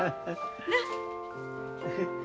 なっ？